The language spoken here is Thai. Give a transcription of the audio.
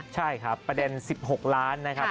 ใช่ครับประเด็น๑๖ล้านนะครับ